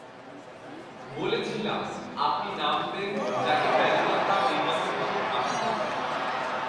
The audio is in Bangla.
বলেছিলাম, আপনি নাম দেন, যাঁকে ম্যানেজার কাম নির্বাচক হিসেবে পাঠাতে চান।